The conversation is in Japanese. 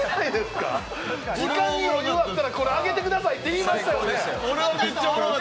時間に予想あったらこれ挙げてくださいって言いましたよね。